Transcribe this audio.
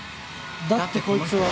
だってこいつは。